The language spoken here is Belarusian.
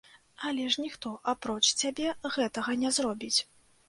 Але ж ніхто, апроч цябе, гэтага не зробіць.